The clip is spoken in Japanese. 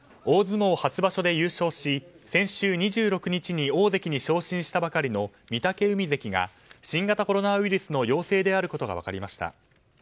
大相撲初場所で優勝し先週２６日に大関に昇進したばかりの御嶽海関が新型コロナウイルスの陽性であることが分かりました。